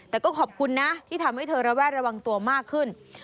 แต่ก็ขอบคุณนะที่ทำให้เธอระแวดระวังตัวมากขึ้น